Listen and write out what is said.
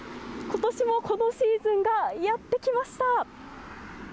ことしもこのシーズンがやって来ました。